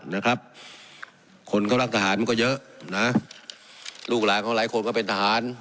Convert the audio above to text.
นะครับคนเขารักทหารมันก็เยอะนะลูกหลานของหลายคนก็เป็นทหาร